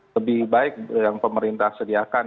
lebih baik yang pemerintah sediakan